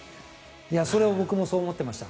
それは僕もそう思っていました。